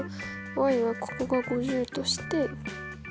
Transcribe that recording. はここが５０として。